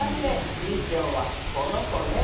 スイぴょんはこのこね。